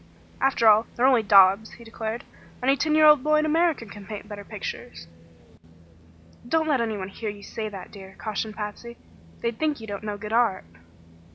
"After all, they're only daubs," he declared. "Any ten year old boy in America can paint better pictures." "Don't let anyone hear you say that, dear," cautioned Patsy. "They'd think you don't know good art."